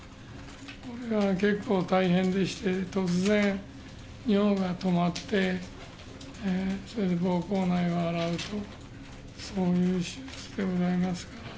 これが結構大変でして、突然、尿が止まって、それでぼうこう内を洗うと、そういう手術でございます。